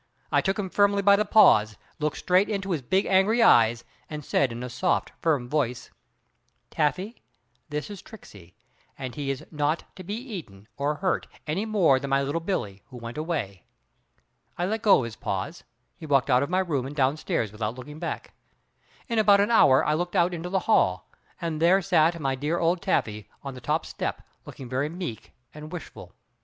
I took him firmly by the paws, looked straight into his big angry eyes and said in a soft, firm voice, "Taffy, this is Tricksey, and he is not to be eaten or hurt any more than my Little Billie who went away." I let go of his paws, he walked out of my room and downstairs without looking back. In about an hour I looked out into the hall, and there sat my dear old Taffy on the top step looking very meek and wishful.